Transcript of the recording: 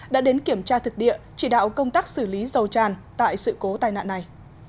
đã đến kiểm tra thực địa chỉ đạo công tác xử lý dầu tràn tại sự cố tai nạn này